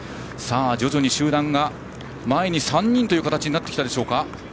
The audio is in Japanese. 徐々に集団が前に３人という形になってきた。